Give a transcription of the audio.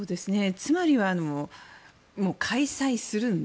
つまりは開催するんだ。